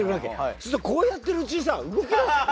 そうするとこうやってるうちにさ動きだす。